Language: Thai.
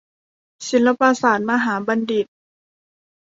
ศิลปศาสตรมหาบัณฑิต